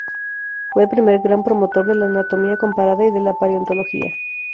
Fue el primer gran promotor de la anatomía comparada y de la paleontología.